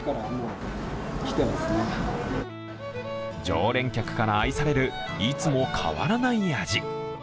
常連客から愛されるいつも変わらない味。